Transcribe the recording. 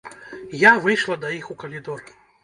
Я выйшла да іх у калідор.